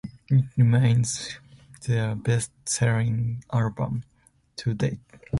It remains their best-selling album to date.